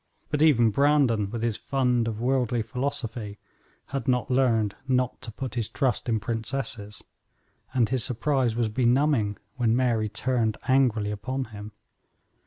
But even Brandon, with his fund of worldly philosophy, had not learned not to put his trust in princesses, and his surprise was benumbing when Mary turned angrily upon him.